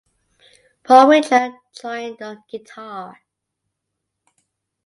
Paul Widger joined on guitar.